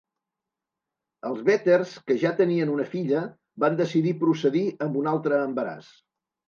Els Vetters, que ja tenien una filla, van decidir procedir amb un altre embaràs.